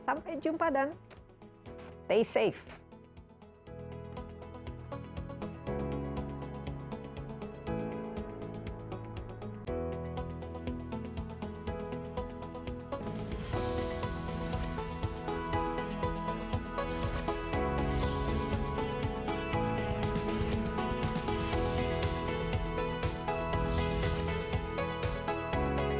sampai jumpa dan stay safe